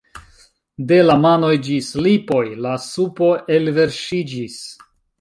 De la manoj ĝis lipoj la supo elverŝiĝis.